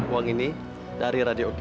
uang ini dari radio oke